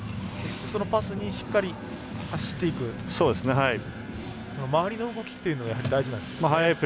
そのパスにしっかり走っていく周りの動きというのが大事なんですね。